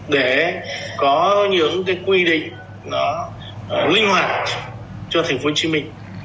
để có những cái quy định nó linh hoạt cho thành phố hồ chí minh